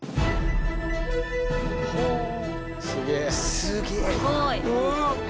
すげえ！